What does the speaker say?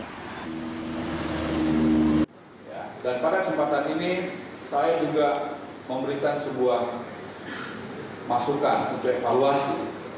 dan pada kesempatan ini saya juga memberikan sebuah masukan untuk evaluasi